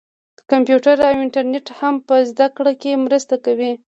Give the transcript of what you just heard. کمپیوټر او انټرنیټ هم په زده کړه کې مرسته کوي.